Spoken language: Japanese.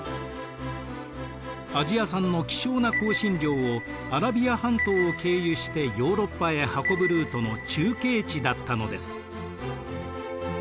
アジア産の希少な香辛料をアラビア半島を経由してヨーロッパへ運ぶルートの中継地だったのです。